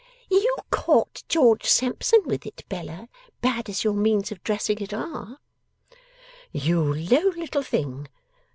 'You caught George Sampson with it, Bella, bad as your means of dressing it are.' 'You low little thing.